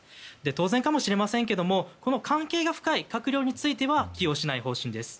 当然かもしれませんが関係が深い閣僚については起用しない方針です。